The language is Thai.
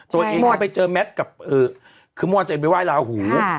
ตัวเองเขาไปเจอแมทกับคือมว่าจะไปว่ายลาหู